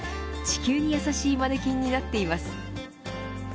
地球にやさしいマネキンになっています。